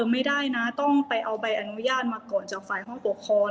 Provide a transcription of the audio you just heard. ไม่ได้นะต้องไปเอาใบอนุญาตมาก่อนจากฝ่ายห้องปกครอง